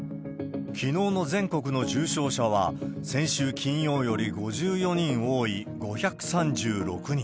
きのうの全国の重症者は、先週金曜より５４人多い５３６人。